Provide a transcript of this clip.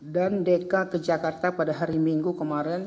dan deka ke jakarta pada hari minggu kemarin